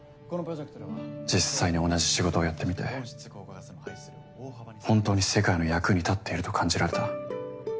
実際に同じ仕事をやってみてほんとに世界の役に立っていると感じられた。